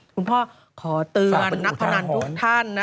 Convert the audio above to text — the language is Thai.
คุณพ่อขอเตือนนักพนันทุกท่าน